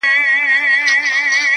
څوک به د خوشال له توري ومینځي زنګونه.!